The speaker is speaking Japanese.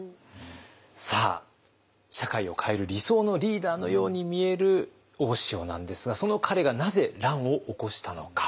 さあ社会を変える理想のリーダーのように見える大塩なんですがその彼がなぜ乱を起こしたのか。